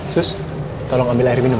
sus tolong ambil air minum ya